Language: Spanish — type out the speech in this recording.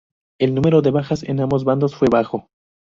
El número de bajas en ambos bandos fue bajo.